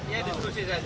ya diskusi saja